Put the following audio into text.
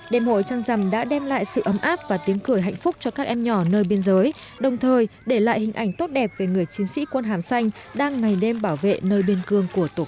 đêm hội trăng rằm đã đem lại sự ấm áp và tiếng cười hạnh phúc cho các em nhỏ nơi biên giới đồng thời để lại hình ảnh tốt đẹp về người chiến sĩ quân hàm xanh đang ngày đêm bảo vệ nơi biên cương của tổ quốc